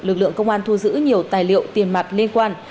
lực lượng công an thu giữ nhiều tài liệu tiền mặt liên quan